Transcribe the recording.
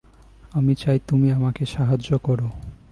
আমি চাই তুমি আমাকে সাহায্য করো।